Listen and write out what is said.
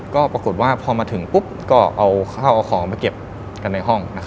ก็ปรากฏว่าพอมาถึงปุ๊บก็เอาข้าวเอาของมาเก็บกันในห้อง